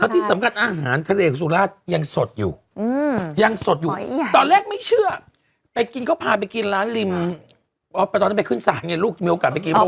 แล้วที่สำคัญอาหารทะเลสุราธนียังสดอยู่ตอนแรกไม่เชื่อพาไปกินร้านลิมอ๋อตอนนั้นไปขึ้นสารลูกมีโอกาสไปราว